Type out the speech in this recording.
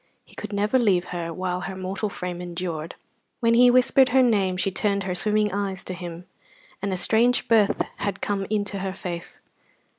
He could never leave her while her mortal frame endured. When he whispered her name she turned her swimming eyes to him, and a strange birth had come into her face.